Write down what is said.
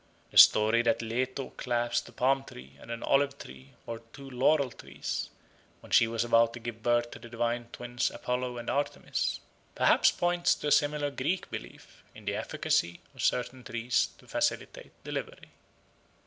The story that Leto clasped a palm tree and an olive tree or two laurel trees, when she was about to give birth to the divine twins Apollo and Artemis, perhaps points to a similar Greek belief in the efficacy of certain trees to facilitate delivery.